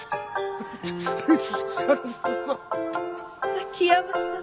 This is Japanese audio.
秋山さま。